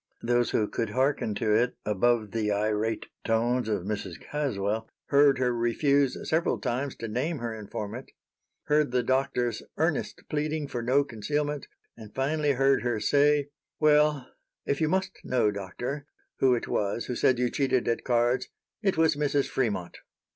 Those who could hearken to it above the irate tones of Mrs. Caswell heard her refuse several times to name her informant; heard the Doctor's earnest pleading for no concealment, and finally heard her say: "Well, if you really must know, Doctor, who it was who said you cheated at cards, it was Mrs. Fremont."